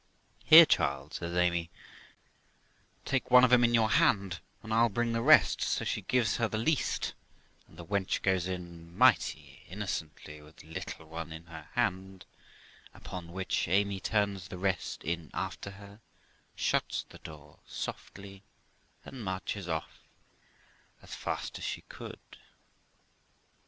'Here, child', says Amy, 'take one of 'em in your hand, and I'll bring the rest '; so she gives her the least, and the wench goes in mighty innocently, with the little one in her hand, upon which Amy turns the rest in after her, shuts the door softly, and marches off as fast as she could.